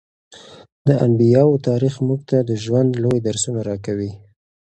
د انبیاوو تاریخ موږ ته د ژوند لوی درسونه راکوي.